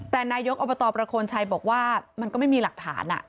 แต่นายกอบตประโคนชัยบอกว่ามันก็ไม่มีหลักฐาน